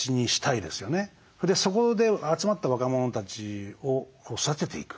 そこで集まった若者たちを育てていく。